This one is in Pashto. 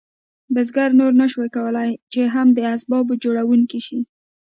بزګر نور نشو کولی چې هم د اسبابو جوړونکی شي.